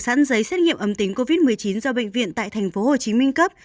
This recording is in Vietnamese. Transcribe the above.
sẵn giấy xét nghiệm ấm tính covid một mươi chín do bệnh viện tại thành phố hồ chí minh cấp